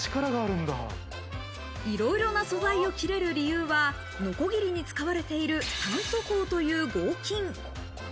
いろいろな素材を切れる理由は、ノコギリに使われている炭素鋼という合金。